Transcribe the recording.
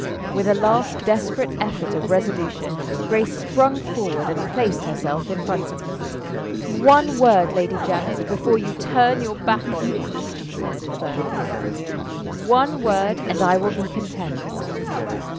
With a last desperate effort of resolution, Grace sprung forward and placed herself in front of them. "One word, Lady Janet, before you turn your back on me," she said, firmly. "One word, and I will be content.